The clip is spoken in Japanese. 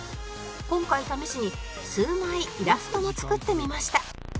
今回試しに数枚イラストも作ってみました